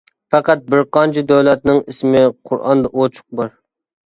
پەقەت بىر قانچە دۆلەتنىڭ ئىسمى قۇرئاندا ئوچۇق بار.